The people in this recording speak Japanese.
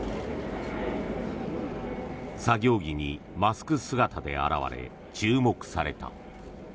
作業着にマスク姿で現れ注目された。